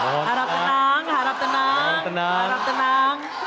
harap tenang harap tenang